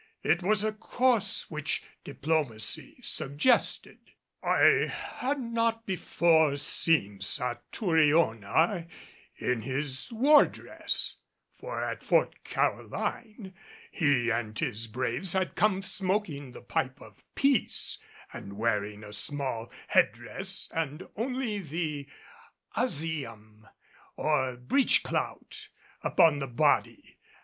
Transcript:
It was a course which diplomacy suggested. I had not before seen Satouriona in his war dress, for at Fort Caroline he and his braves had come smoking the pipe of peace and wearing a small headdress and only the aziam, or breech clout, upon the body.